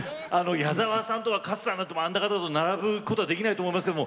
矢沢さんとか勝さん、あんな方々と並ぶことはできないと思いますけど。